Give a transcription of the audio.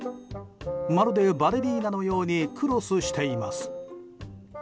まるでバレリーナのようにクロスしています。